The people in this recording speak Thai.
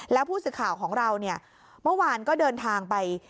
แล้วผู้สื่อข่าวของเราเนี่ยเมื่อวานก็เดินทางไป